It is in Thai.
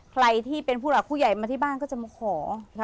ใครที่เป็นผู้หลักผู้ใหญ่มาที่บ้านก็จะมาขอ